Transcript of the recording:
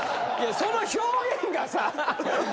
いやその表現がさ。